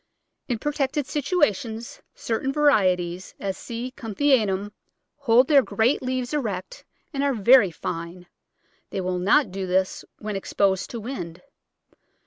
In protected situations certain varieties, as C. Kunthianum, hold their great leaves erect and are very fine; they will not do this when exposed to wind.